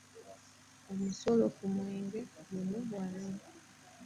Omusolo ku mwenge gwa wano.